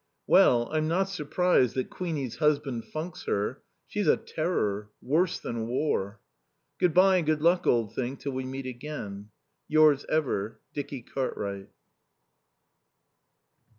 Well, I'm not surprised that Queenie's husband funks her. She's a terror. Worse than war. Good bye and Good Luck, Old Thing, till we meet again. Yours ever, Dicky Cartwright.